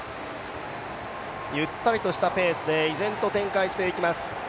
ゆったりとしたペースで依然と展開していきます。